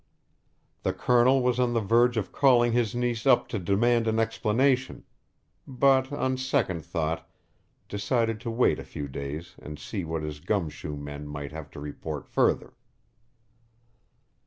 The Colonel was on the verge of calling his niece up to demand an explanation, but on second thought decided to wait a few days and see what his gum shoe men might have to report further.